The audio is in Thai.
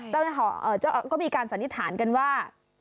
ตอนนี้เขาก็มีการสันนิษฐานกันว่า